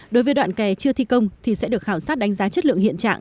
đối với đoạn kè chưa thi công thì sẽ được khảo sát đánh giá chất lượng hiện trạng